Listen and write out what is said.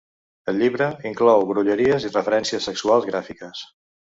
El llibre inclou grolleries i referències sexuals gràfiques.